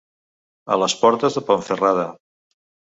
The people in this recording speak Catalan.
A les portes de Ponferrada.